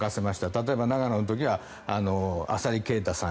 例えば、長野の時は浅利慶太さん